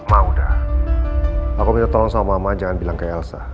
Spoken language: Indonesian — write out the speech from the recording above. mah udah aku minta tolong sama mama jangan bilang ke elsa